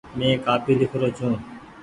مينٚ ڪآپي لکرو ڇو